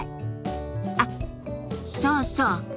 あっそうそう。